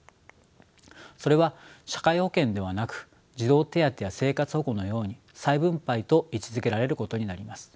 それは社会保険ではなく児童手当や生活保護のように再分配と位置づけられることになります。